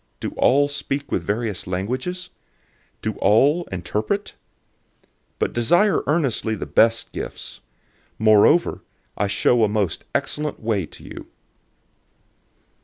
Do all speak with various languages? Do all interpret? 012:031 But earnestly desire the best gifts. Moreover, I show a most excellent way to you.